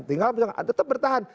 tinggal tetap bertahan